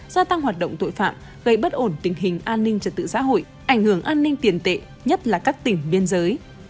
gia tăng hoạt động tội phạm gây bất ổn tình hình an ninh trật tự xã hội ảnh hưởng an ninh tiền tệ nhất là các tỉnh biên giới